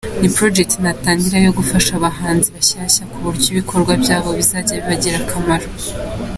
Ni project natangije yo gufasha abahanzi bashyashya ku buryo ibikorwa byayo bizajya bibagirira akamaro.